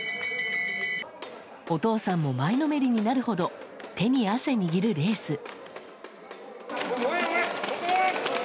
お父さんも前のめりになるほど手に汗握るレース。